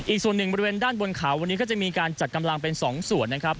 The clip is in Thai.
อีกส่วนหนึ่งบริเวณด้านบนเขาวันนี้ก็จะมีการจัดกำลังเป็น๒ส่วนนะครับ